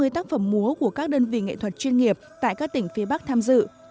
năm mươi tác phẩm múa của các đơn vị nghệ thuật chuyên nghiệp tại các tỉnh phía bắc tham dự